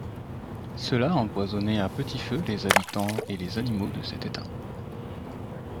Cela empoisonnait à petit feu les habitants et les animaux de cet État.